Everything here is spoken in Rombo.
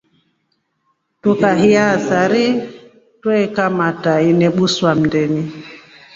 Tukaheiya sari twaikamatra inebuswa mndeni.